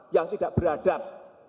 yang tidak beradab